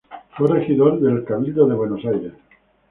Fue regidor del Cabildo de Buenos Aires.